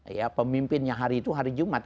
ya pemimpinnya hari itu hari jumat